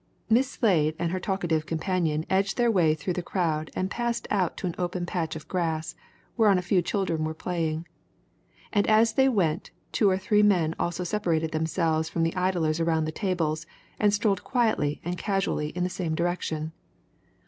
Miss Slade and her talkative companion edged their way through the crowd and passed out to an open patch of grass whereon a few children were playing. And as they went, two or three men also separated themselves from the idlers around the tables and strolled quietly and casually in the same direction.